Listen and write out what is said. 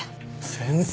先生